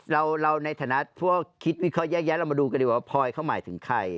เราในฐานะพวกคิดวิเคราะแยะเรามาดูกันดีกว่าว่าพลอยเขาหมายถึงใคร